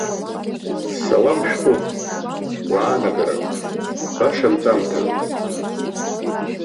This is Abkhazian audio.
Салам шәҟәык, гәаанагарак, баша нҵамҭак.